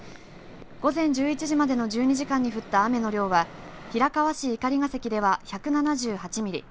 午前１１時までの１２時間に降った雨の量は平川市碇ヶ関では１７８ミリ